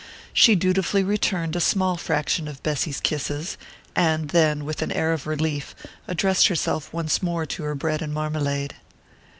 She dutifully returned a small fraction of Bessy's kisses, and then, with an air of relief, addressed herself once more to her bread and marmalade.